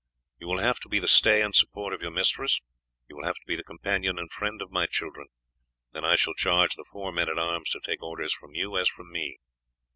You will have to be the stay and support of your mistress, you will have to be the companion and friend of my children, and I shall charge the four men at arms to take orders from you as from me.